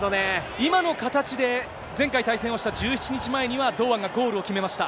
今の形で、前回対戦をした１７日前には、堂安がゴールを決めました。